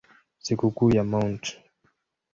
Sikukuu ya Mt.